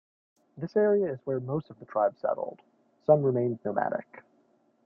This area is where most of the tribe settled; some remained nomadic.